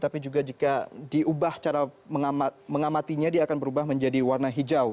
tapi juga jika diubah cara mengamatinya dia akan berubah menjadi warna hijau